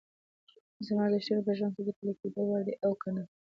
زما ارزښتونه په ژوند کې د پلي کېدو وړ دي او که نه؟